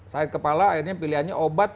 sakit kepala akhirnya pilihannya obat